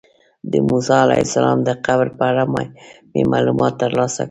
د موسی علیه السلام د قبر په اړه مې معلومات ترلاسه کړل.